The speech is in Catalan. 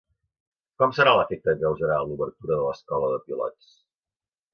Com serà l'efecte que causarà l'obertura de l'escola de pilots?